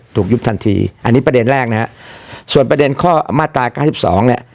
ยุบทันทีอันนี้ประเด็นแรกนะฮะส่วนประเด็นข้อมาตราเก้าสิบสองเนี่ย